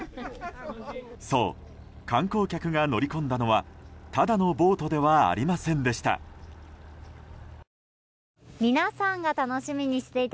そう、観光客が乗り込んだのはただのボートではありませんでした。